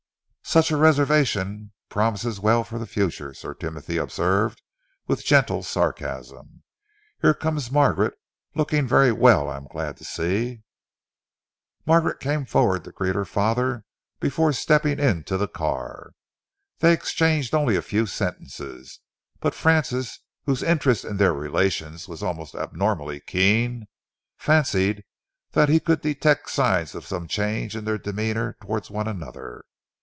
"Such a reservation promises well for the future," Sir Timothy observed, with gentle sarcasm. "Here comes Margaret, looking very well, I am glad to see." Margaret came forward to greet her father before stepping into the car. They exchanged only a few sentences, but Francis, whose interest in their relations was almost abnormally keen, fancied that he could detect signs of some change in their demeanour towards one another.